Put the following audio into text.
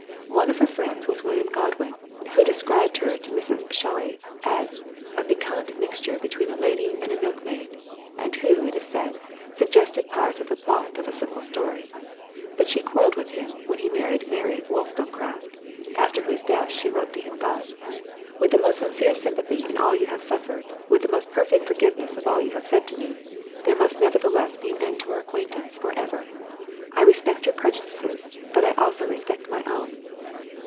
One of her friends was William Godwin, who described her to Mrs. Shelley as a "piquante mixture between a lady and a milkmaid", and who, it is said, suggested part of the plot of A Simple Story. But she quarreled with him when he married Mary Wollstonecraft, after whose death she wrote to him thus—"With the most sincere sympathy in all you have suffered—with the most perfect forgiveness of all you have said to me, there must nevertheless be an end to our acquaintance for ever. I respect your prejudices, but I also respect my own."